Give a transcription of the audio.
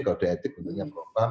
kalau di etik tentunya merupakan